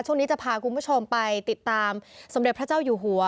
ช่วงนี้จะพาคุณผู้ชมไปติดตามสมเด็จพระเจ้าอยู่หัว